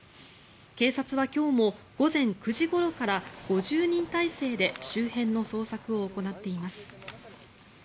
警察は今日も午前９時ごろから５０人態勢で周辺の捜索を行っています。